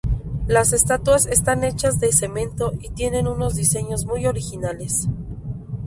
Las estatuas están hechas de cemento y tienen unos diseños muy originales.